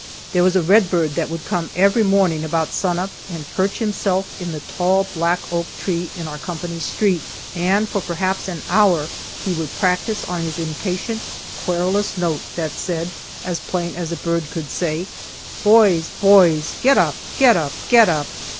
There was a redbird that would come every morning about sunup and perch himself in the tall black oak tree in our company street, and for perhaps an hour he would practice on his impatient, querulous note, that said, as plain as a bird could say, "Boys, boys! get up! get up! get up!"